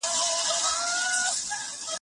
سر په غلا ګرځوو خدای نه امان غواړو